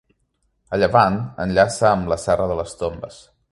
A llevant, enllaça amb la Serra de les Tombes.